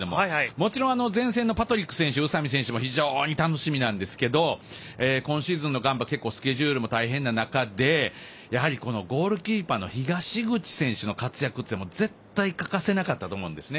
もちろん、前線のパトリック選手、宇佐美選手も非常に楽しみなんですけど今シーズンのガンバは結構、スケジュールも大変な中でやはりゴールキーパーの東口選手の活躍は絶対欠かせなかったと思うんですよね。